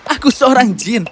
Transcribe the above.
aku seorang jin